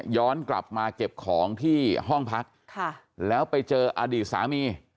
ย้อนกลับมาเก็บของที่ห้องพักแล้วไปเจออดีตสามี